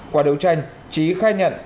qua đấu tranh trí khai nhận